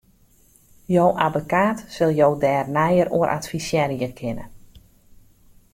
Jo abbekaat sil jo dêr neier oer advisearje kinne.